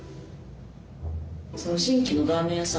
新規のラーメン屋さん。